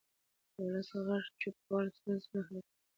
د ولس غږ چوپ کول ستونزې نه حل کوي